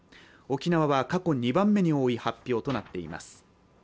沖縄は過去２番目に多い発表となっています。